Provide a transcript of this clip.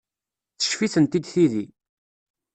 Teccef-itent-id tidi.